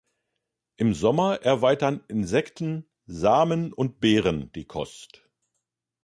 Im Sommer erweitern Insekten, Samen und Beeren die Kost.